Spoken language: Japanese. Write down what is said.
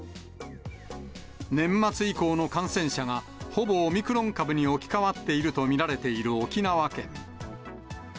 年末以降の感染者がほぼオミクロン株に置き換わっていると見られる沖縄県。